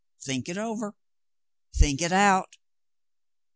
Think it over ; think it out."